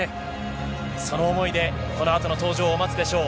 その思いでこのあとの登場を待つでしょう。